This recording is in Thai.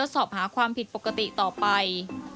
สอบหาความผิดปกติต่อไป